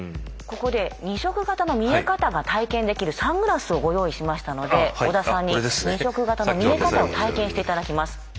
ここで２色型の見え方が体験できるサングラスをご用意しましたので織田さんに２色型の見え方を体験して頂きます。